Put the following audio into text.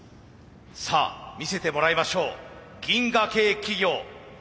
さあ見せてもらいましょう銀河系企業Ｎ社。